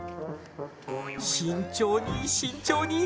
慎重に慎重に。